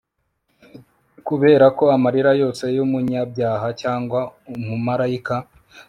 Kuberako amarira yose yumunyabyaha cyangwa umumarayika